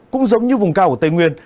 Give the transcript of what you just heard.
cũng giống như vùng cao của tây nguyên